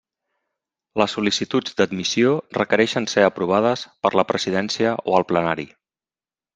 Les sol·licituds d'admissió requereixen ser aprovades per la presidència o el plenari.